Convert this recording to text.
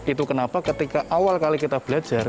itu kenapa ketika awal kali kita belajar